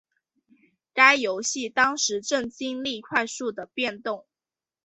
该游戏当时正经历快速的变动。